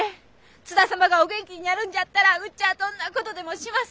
津田様がお元気になるんじゃったらうっちゃあどんなことでもします